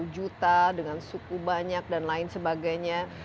dua ratus enam puluh juta dengan suku banyak dan lain sebagainya